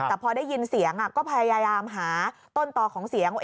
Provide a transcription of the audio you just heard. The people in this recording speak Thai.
แต่พอได้ยินเสียงก็พยายามหาต้นต่อของเสียง